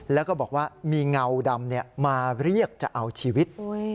แล้วก็บอกว่ามีเงาดำมาเรียกจะเอาชีวิต